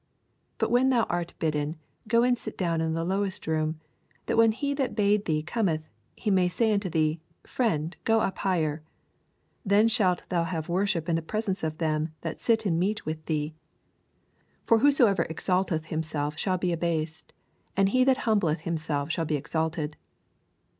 10 Bat when thou art bidden, go and sit down in the lowest room ; that when he that bade thee cometh, he may say unto thee. Friend, go up higher ; then shalt thou huye worship in the presence of them that sit at meat with thee. 11 For whosoever exalteth himself shall be abased; and he that hum. bleth himself shall be exalted.